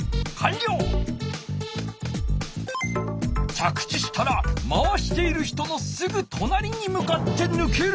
着地したら回している人のすぐとなりに向かってぬける。